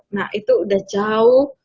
nah itu udah jauh